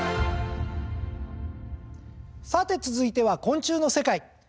さて続いては昆虫の世界！